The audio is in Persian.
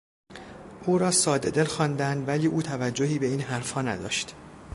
او را سادهدل خواندند ولی او توجهی به این حرفها نداشت.